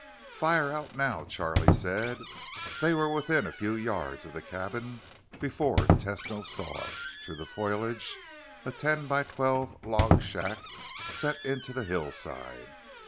"Fire out now," Charlie said. They were within a few yards of the cabin before Tesno saw it through the foliage, a ten by twelve log shack set into the hillside.